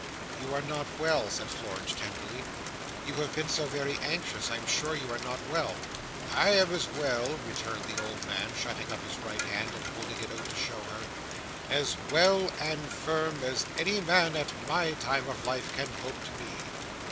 "You are not well," said Florence, tenderly. "You have been so very anxious I am sure you are not well." "I am as well," returned the old man, shutting up his right hand, and holding it out to show her: "as well and firm as any man at my time of life can hope to be.